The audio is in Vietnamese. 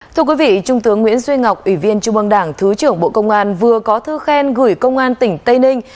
thưa quý vị trung tướng nguyễn duy ngọc ủy viên trung băng đảng thứ trưởng bộ công an vừa có thư khen gửi công an tỉnh tây ninh